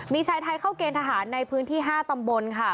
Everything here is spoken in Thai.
มีชายไทยเข้าเกณฑ์ทหารในพื้นที่๕ตำบลค่ะ